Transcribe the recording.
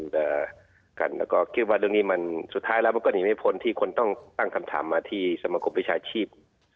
แล้วก็คิดว่าเรื่องนี้มันสุดท้ายแล้วมันก็หนีไม่พ้นที่คนต้องตั้งคำถามมาที่สมคมวิชาชีพ